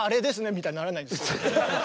みたいにならないんですけど。